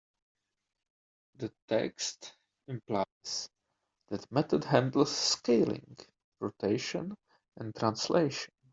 The text implies that method handles scaling, rotation, and translation.